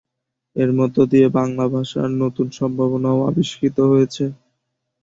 এর মধ্য দিয়ে বাংলা ভাষার নতুন সম্ভাবনাও আবিষ্কৃত হয়েছে।